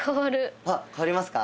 あっ変わりますか？